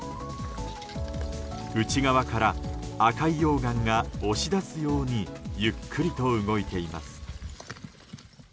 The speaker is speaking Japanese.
内側から赤い溶岩が押し出すようにゆっくりと動いています。